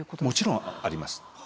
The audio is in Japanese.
もちろんあります。